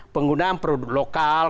penggunaan produk lokal